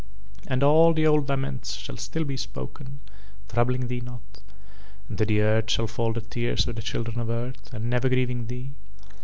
And all the old laments shall still be spoken, troubling thee not, and to the earth shall fall the tears of the children of earth and never grieving thee.